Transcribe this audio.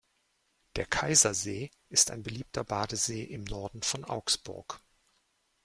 Der Kaiser-See ist ein beliebter Badesee im Norden von Augsburg.